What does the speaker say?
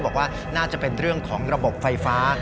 บอกว่าน่าจะเป็นเรื่องของระบบไฟฟ้า